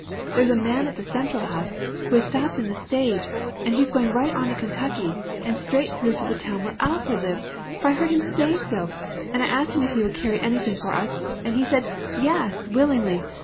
there is a man at the Central House, who has just stopped in the stage, and he is going right on to Kentucky, and straight through the town where Alfred lives, for I heard him say so; and I asked him if he would carry anything for us, and he said, 'Yes, willingly.'